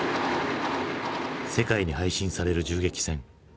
世界に配信される銃撃戦。